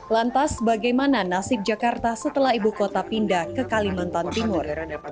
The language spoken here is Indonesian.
lantas bagaimana nasib jakarta setelah ibu kota pindah ke kalimantan timur